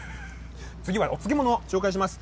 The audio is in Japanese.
次はお漬物を紹介します。